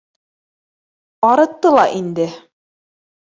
Арытты ла инде